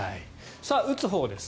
打つほうです。